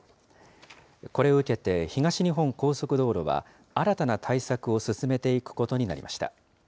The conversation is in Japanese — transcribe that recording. これを受けて東日本高速道路は新たな対策を進めていくことになりました。